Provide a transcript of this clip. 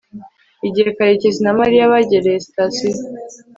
igihe karekezi na mariya begereye sitasiyo